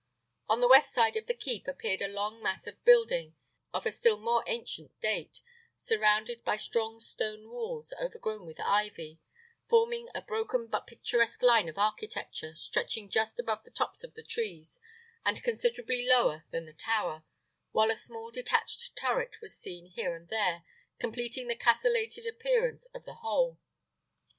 On the west side of the keep appeared a long mass of building of a still more ancient date, surrounded by strong stone walls overgrown with ivy, forming a broken but picturesque line of architecture, stretching just above the tops of the trees, and considerably lower than the tower, while a small detached turret was seen here and there, completing the castellated appearance of the whole.